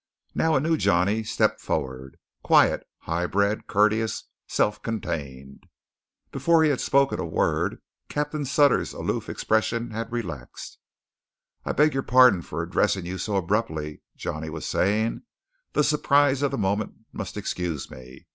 Now a new Johnny stepped forward, quiet, high bred, courteous, self contained. Before he had spoken a word, Captain Sutter's aloof expression had relaxed. "I beg your pardon for addressing you so abruptly," Johnny was saying. "The surprise of the moment must excuse me.